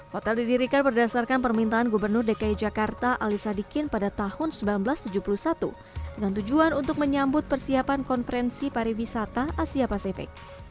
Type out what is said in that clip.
hotel didirikan berdasarkan permintaan gubernur dki jakarta ali sadikin pada tahun seribu sembilan ratus tujuh puluh satu dengan tujuan untuk menyambut persiapan konferensi pariwisata asia pasifik